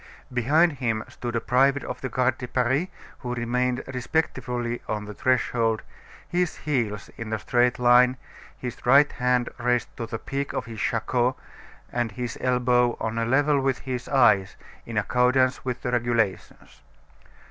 Behind him stood a private of the Garde de Paris who remained respectfully on the threshold, his heels in a straight line, his right hand raised to the peak of his shako, and his elbow on a level with his eyes, in accordance with the regulations.